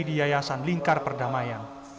di yayasan lingkar perdamaian